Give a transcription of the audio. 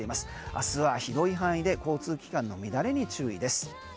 明日は広い範囲で交通機関の乱れに注意です。